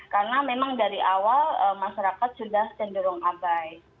karena memang dari awal masyarakat sudah cenderung abai